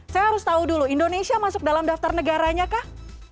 saya harus tahu dulu indonesia masuk dalam daftar negaranya kah